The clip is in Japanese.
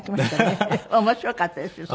面白かったですよ